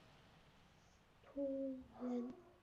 突厥人是欧亚大陆民族的主要成份之一。